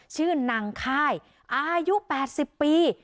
ชื่อนางค่ายอายุ๘๐ปี